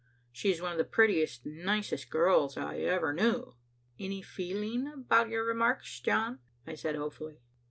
She is one of the prettiest, nicest girls I ever knew." "Any feeling about your remarks, John?" I said hopefully.